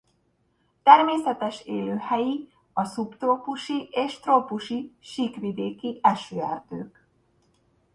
Természetes élőhelyi a szubtrópusi és trópusi síkvidéki esőerdők.